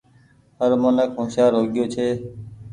هر منک هوشيآر هو گيو ڇي۔